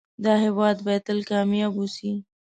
دا هيواد بايد تل کامیاب اوسی